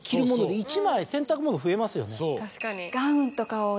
洗濯物増えますよね。